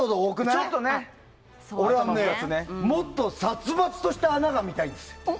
もっと殺伐とした穴が見たいです。